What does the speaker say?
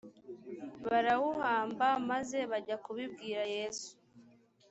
barawuhamba maze bajya kubibwira yesu